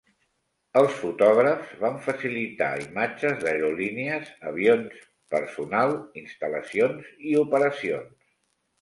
Els fotògrafs van facilitar imatges d'aerolínies, avions, personal, instal·lacions i operacions.